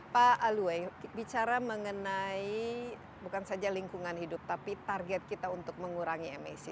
pak alwe bicara mengenai bukan saja lingkungan hidup tapi target kita untuk mengurangi emisi